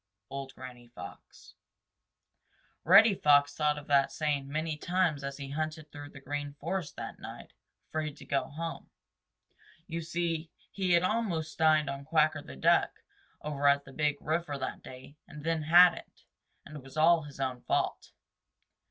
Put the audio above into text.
—Old Granny Fox. Reddy Fox thought of that saying many times as he hunted through the Green Forest that night, afraid to go home. You see, he had almost dined on Quacker the Duck over at the Big River that day and then hadn't, and it was all his own fault.